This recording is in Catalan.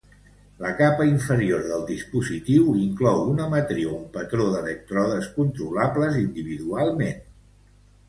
La capa inferior del dispositiu inclou una matriu en patró d'elèctrodes controlables individualment.